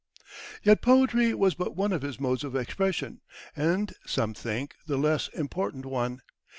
Yet poetry was but one of his modes of expression, and, some think, the less important one.